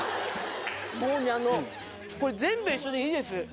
もうねあのこれ全部一緒でいいです。